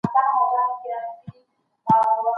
سياستپوهنه د سياسي قدرت ساحه هم ټاکي.